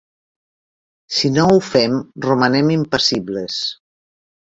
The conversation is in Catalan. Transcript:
Si no ho fem romanem impassibles.